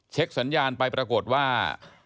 สัญญาณไปปรากฏว่า